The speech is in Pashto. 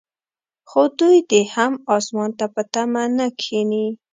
خو دوی دې هم اسمان ته په تمه نه کښیني.